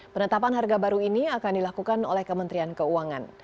penetapan harga baru ini akan dilakukan oleh kementerian keuangan